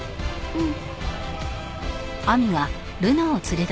うん。